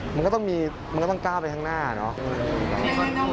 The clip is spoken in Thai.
มันก็ต้องมีมันก็ต้องก้าวไปข้างหน้าเนาะ